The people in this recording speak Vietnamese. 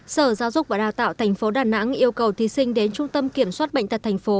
sở giáo dục và đào tạo tp đà nẵng yêu cầu thí sinh đến trung tâm kiểm soát bệnh tật thành phố